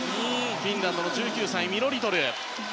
フィンランドの１９歳ミロ・リトル。